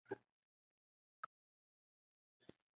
国际自然保护联盟将其列为数据缺乏。